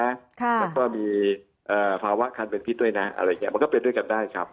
แล้วก็มีภาวะคันเป็นพิษด้วยนะมันก็เป็นด้วยกันได้ครับ